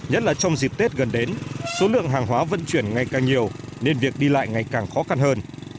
nhất là trong dịp tết gần đến số lượng hàng hóa vận chuyển ngày càng nhiều nên việc đi lại ngày càng khó khăn hơn